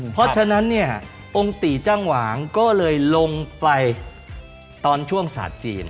เพราะฉะนั้นเนี่ยองค์ติจ้างหวางก็เลยลงไปตอนช่วงศาสตร์จีน